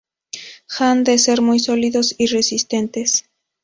Han de ser muy sólidos y resistentes.